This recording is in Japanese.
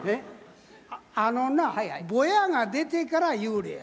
あのなぼやが出てから幽霊や。